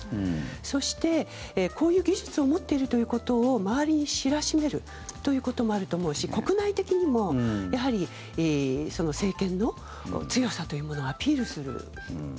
そして、こういう技術を持っているということを周りに知らしめるということもあると思うし国内的にも、やはり政権の強さというものをアピールする。